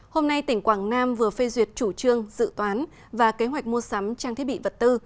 hôm nay tỉnh quảng nam vừa phê duyệt chủ trương dự toán và kế hoạch mua sắm trang thiết bị vật tư